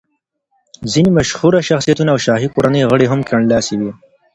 ځینې مشهوره شخصیتونه او شاهي کورنۍ غړي هم کیڼ لاسي ول.